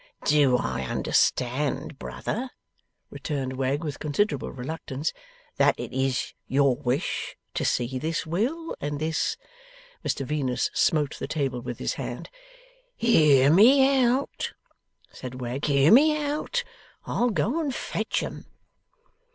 'Do I understand, brother,' returned Wegg with considerable reluctance, 'that it is your wish to see this will and this ?' Mr Venus smote the table with his hand. ' Hear me out!' said Wegg. 'Hear me out! I'll go and fetch 'em.